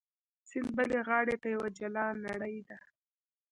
سیند بلې غاړې ته یوه جلا نړۍ ده.